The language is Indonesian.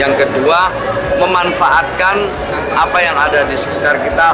yang kedua memanfaatkan apa yang ada di sekitar kita